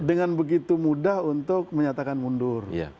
dengan begitu mudah untuk menyatakan mundur